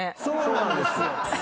そうなんですよ。